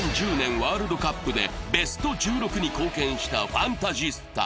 ワールドカップでベスト１６に貢献したファンタジスタ。